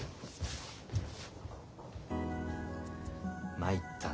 参ったな。